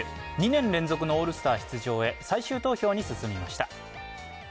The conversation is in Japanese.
２年連続のオールスター出場へ最終投票に進みました。